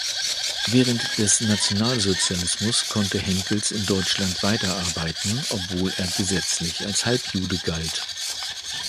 Während des Nationalsozialismus konnte Henckels in Deutschland weiterarbeiten, obwohl er gesetzlich als „Halbjude“ galt.